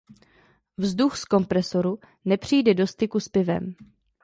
Vzduch z kompresoru nepřijde do styku s pivem.